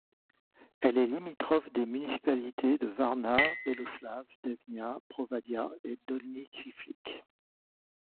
Elle est limitrophe des municipalités de Varna, Beloslav, Devnya, Provadia et Dolni Tchiflik.